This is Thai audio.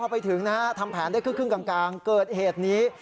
พอไปถึงนะฮะทำแผนได้ครึ่งกลางเกิดเหตุนี้